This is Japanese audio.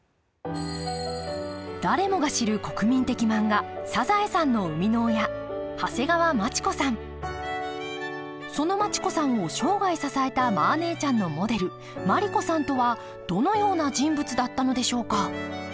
誰もが知る国民的漫画「サザエさん」の生みの親その町子さんを生涯支えたマー姉ちゃんのモデル毬子さんとはどのような人物だったのでしょうか。